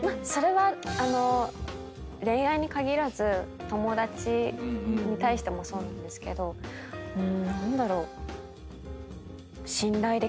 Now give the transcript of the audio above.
それは恋愛に限らず友達に対してもそうなんですけどうーん何だろう？